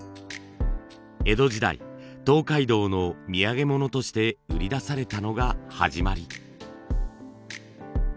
江戸時代東海道の土産物として売り出されたのが始まり。